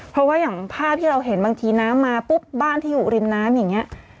เพราะว่าอย่างภาพที่เราเห็นบางทีน้ำมาปุ๊บบ้านที่อยู่ริมน้ำอย่างนี้